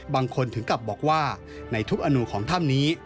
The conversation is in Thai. ถึงกลับบอกว่าในทุกอนุของถ้ำนี้